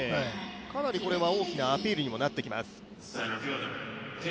かなりこれは大きなアピールにもなってきます。